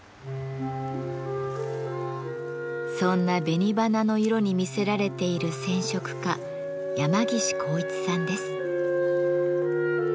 そんな紅花の色に魅せられている染織家山岸幸一さんです。